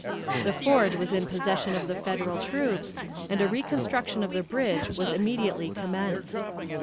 The ford was in possession of the federal troops, and a reconstruction of the bridge was immediately commenced.